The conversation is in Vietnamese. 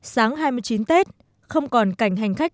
sáng hai mươi chín tết không còn cảnh hành khách